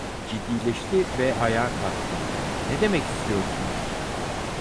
Ciddileşti ve ayağa kalktı. Ne demek istiyorsunuz?